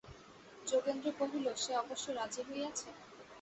যোগেন্দ্র কহিল, সে অবশ্য রাজি হইয়াছে?